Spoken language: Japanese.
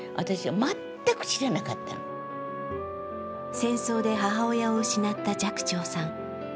戦争で母親を失った寂聴さん。